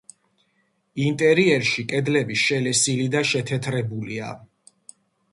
ინტერიერში კედლები შელესილი და შეთეთრებულია.